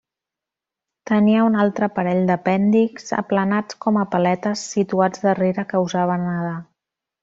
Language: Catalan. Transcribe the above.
Tenia un altre parell d'apèndixs aplanats com a paletes situats darrere que usava nedar.